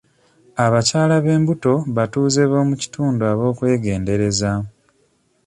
Abakyala b'embuto batuuze b'omukitundu ab'okwegendereza.